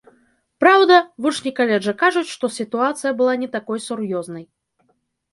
Праўда, вучні каледжа кажуць, што сітуацыя была не такой сур'ёзнай.